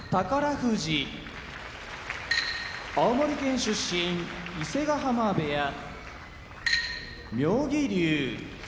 富士青森県出身伊勢ヶ濱部屋妙義龍